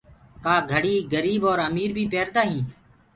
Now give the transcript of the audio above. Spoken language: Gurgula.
ڪآ گھڙي گريب اور امير بي پيردآئين